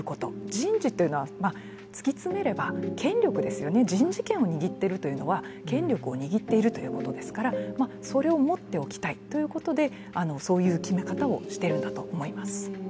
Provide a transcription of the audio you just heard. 人事というのは、突き詰めれば権力ですよね、人事権を握っているというのは権力を握っているということですからそれを持っておきたいということでそういう決め方をしてるんだと思います。